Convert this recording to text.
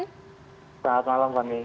selamat malam fani